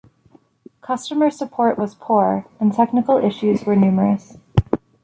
Customer support was poor, and technical issues were numerous.